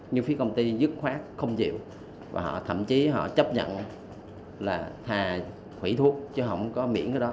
nhưng phí công ty dứt khoát không chịu và họ thậm chí họ chấp nhận là thà hủy thuốc chứ không có miễn cái đó